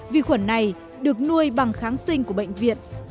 vi khuẩn này được nuôi bằng kháng sinh của bệnh viện